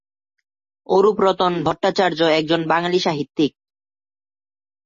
অরূপরতন ভট্টাচার্য একজন বাঙালি সাহিত্যিক।